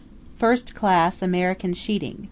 First class American sheeting...